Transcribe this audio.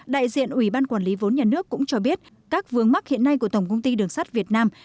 đại diện ủy ban quản lý vốn nhà nước cũng cho biết các vướng mắc hiện nay của tổng công ty đường sắt việt nam